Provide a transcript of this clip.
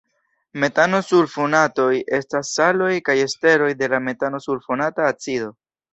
Metano-sulfonatoj estas saloj kaj esteroj de la metano-sulfonata acido.